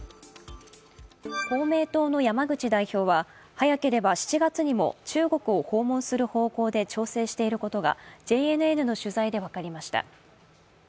公明党の山口代表は早ければ７月にも中国を訪問する方向で調整していることがＪＮＮの取材で分かりました。